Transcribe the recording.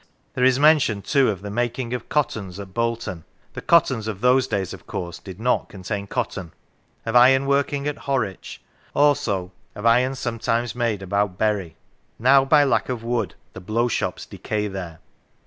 There is mention, too, of the making of " cottons " at Bolton (the " cottons " of those days of course did not contain cotton), of iron working at Horwich; also of " iron sometime made about Bury; now by lack of wood the blow shops decay there."